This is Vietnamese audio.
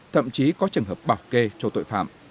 thậm chí có trường hợp bảo kê cho tội phạm